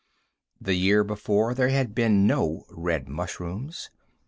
The year before there had been no red mushrooms.